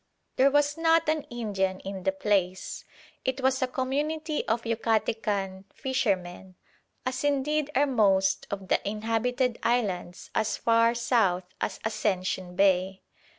There was not an Indian in the place. It was a community of Yucatecan fishermen, as indeed are most of the inhabited islands as far south as Ascension Bay.